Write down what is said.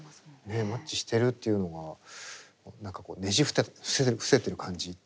ねえマッチしてるっていうのが何かこうねじ伏せてる感じっていうんですかね